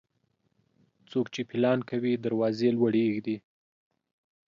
څوک چې پيلان کوي، دروازې لوړي اېږدي.